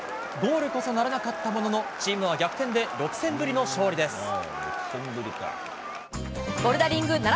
ゴールこそならなかったもののチームは逆転で６戦ぶりの勝利です。